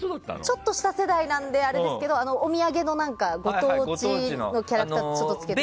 ちょっと下世代なんですけどお土産のご当地のキャラクターをつけてたり。